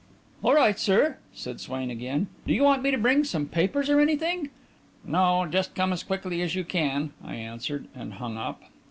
"All right, sir," said Swain, again. "Do you want me to bring some papers, or anything?" "No; just come as quickly as you can," I answered, and hung up.